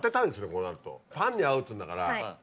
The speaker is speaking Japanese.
こうなるとパンに合うっていうんだから。